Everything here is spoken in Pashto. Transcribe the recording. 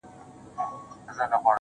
o ځمه و لو صحراته.